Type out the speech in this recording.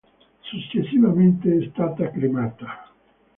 Successivamente è stata cremata.